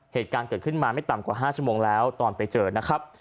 เหตุการณ์เกิดขึ้นมาไม่ต่ำกว่า๕ชั่วโมงแล้วตอนไปเจอนะครับ